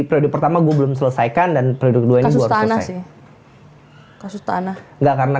periode pertama gue belum selesaikan dan periode kedua ini gue harus selesai kasus tanah enggak karena